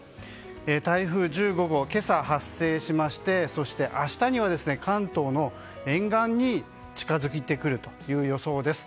台風１５号、今朝発生しましてそして、明日には関東の沿岸に近づく予想です。